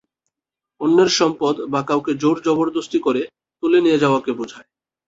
অন্যের সম্পদ বা কাউকে জোর জবরদস্তি করে তুলে নিয়ে যাওয়াকে বুঝায়।